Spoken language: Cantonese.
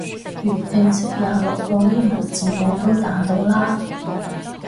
粵拼識廿六個英文字母都打到啦